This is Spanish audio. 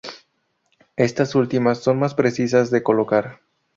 Estas últimas son más precisas de colocar.